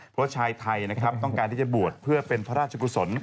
เพราะชายไทยนะครับต้องการที่จะบวชเพื่อเป็นพระราชกุศล